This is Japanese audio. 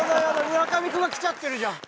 村上君が来ちゃってるじゃん！